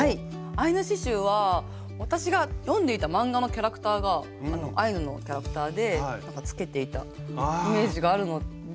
アイヌ刺しゅうは私が読んでいた漫画のキャラクターがアイヌのキャラクターでなんかつけていたイメージがあるので。